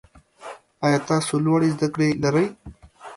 ایا تاسو لوړې زده کړې لرئ؟